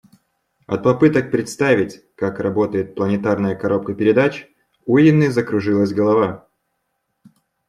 От попыток представить, как работает планетарная коробка передач, у Инны закружилась голова.